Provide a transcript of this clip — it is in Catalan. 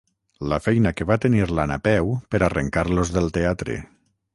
La feina que va tenir la Napeu per arrencar-los del teatre.